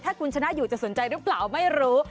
ถ้าคุณชนะอยู่จะสนใจหรือเปล่าไม่รู้